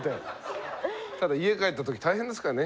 ただ家帰った時大変ですからね